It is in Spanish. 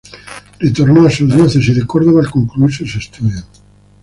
Retornó a su diócesis de Córdoba al concluir sus estudios.